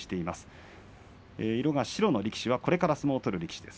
色が白の力士はこれから相撲を取る力士です。